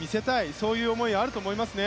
そういう思いがあると思いますね。